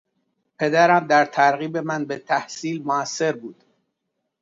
پدرم در ترغیب من به تحصیل موثر بود.